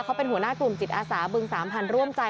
เขาเป็นหัวหน้ากลุ่มจิตอาสาบึงสามพันธ์ร่วมใจ